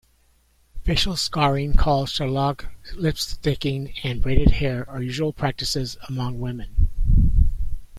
Facial scarring called Shoulokh, lips sticking, and braided hair are usual practices among women.